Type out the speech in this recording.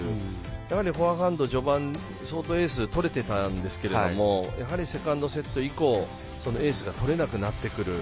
やはり、フォアハンドで序盤、相当エース取れていたんですがセカンドセット以降エースが取れなくなってくる。